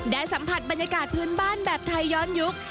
สัมผัสบรรยากาศพื้นบ้านแบบไทยย้อนยุค